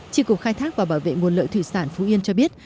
tri cục khai thác và bảo vệ nguồn lợi thủy sản phú yên cho biết